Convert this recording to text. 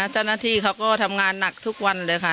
เจ้าหน้าที่เขาก็ทำงานหนักทุกวันเลยค่ะ